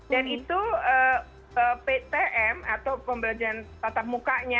dan itu ptm atau pembelajaran tatap mukanya